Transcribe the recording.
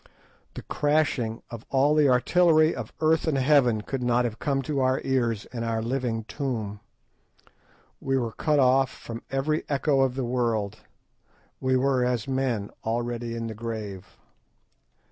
The crashing of all the artillery of earth and heaven could not have come to our ears in our living tomb. We were cut off from every echo of the world—we were as men already in the grave.